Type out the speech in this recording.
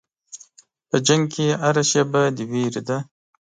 په جنګ کې هره شېبه د وېرې ده.